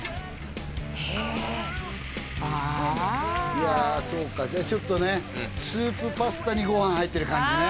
いやそうかちょっとねスープパスタにご飯入ってる感じね